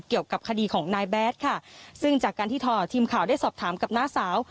เกี่ยวกับคดีของนายแดดค่ะซึ่งจากการที่ทีมข่าวได้สอบถามกับน้าสาว